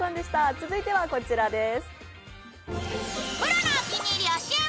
続いてはこちらです。